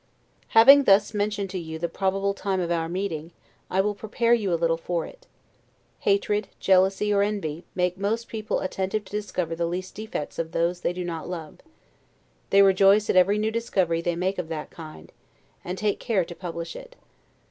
Having thus mentioned to you the probable time of our meeting, I will prepare you a little for it. Hatred; jealousy, or envy, make, most people attentive to discover the least defects of those they do not love; they rejoice at every new discovery they make of that kind, and take care to publish it.